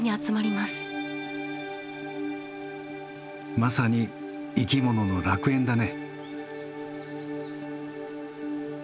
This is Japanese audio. まさに生き物の楽園だね。